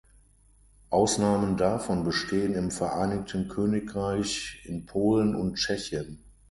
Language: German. Ausnahmen davon bestehen im Vereinigten Königreich, in Polen und Tschechien.